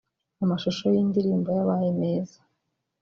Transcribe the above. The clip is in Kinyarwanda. amashusho y’indirimbo yabaye meza